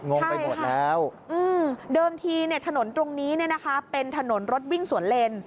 งงไปหมดแล้วอืมเดิมทีถนนตรงนี้เป็นถนนรถวิ่งสวนเล่น